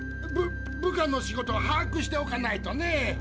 ぶ部下の仕事をはあくしておかないとね。